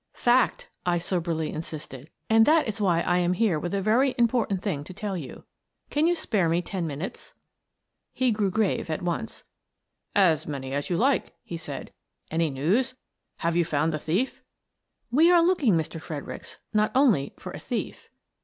"Fact," I soberly insisted. "And that is why "Thou Art the Man" 131 I am here with a very important thing to tell you. Can you spare me ten minutes? " He grew grave at once. "As many as you like/' he said. "Any news? Have you found the thief? "" We are looking, Mr. Fredericks, not only for a thief."